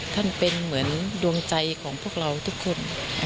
ท่านเป็นเหมือนดวงใจของพวกเราทุกคน